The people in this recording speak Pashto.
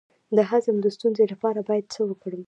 د هضم د ستونزې لپاره باید څه وکړم؟